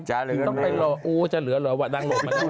จะเหลือหรอวะดังโหลกมานี่หว่ะ